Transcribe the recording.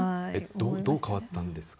どう変わったんですか？